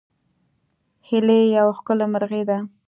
هیلۍ یوه ښکلې مرغۍ ده